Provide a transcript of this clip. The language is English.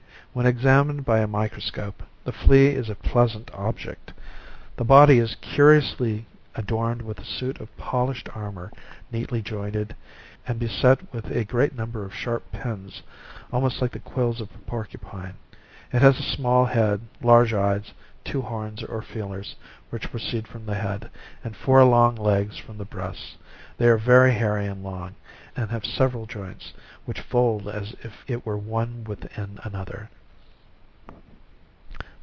When examined by a micros cope, the flea is a pleasant ob ject. The body is curiously adorned with a suit of polished armor, neatly jointed, and bese* with a great number of sharp pins almost like the quills of a porcupine : it has a sma'l head, large eyes, two horns or feelers, which proceed from the head, and four long legs from the breast ; they are very hairy and long, and have several joints which fold as it were one with in another.